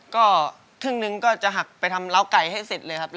ก็ครึ่งหนึ่งก็จะหักไปทำล้าวไก่ให้เสร็จเลยครับ